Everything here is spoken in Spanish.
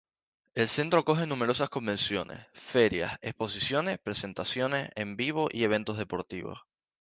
El centro acoge numerosas convenciones, ferias, exposiciones, presentaciones en vivo y eventos deportivos.